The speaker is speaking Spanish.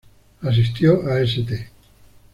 Asistió a St.